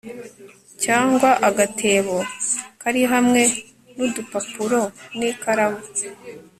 cyangwa agatebo kari hamwe n'udupapuro n'ikaramu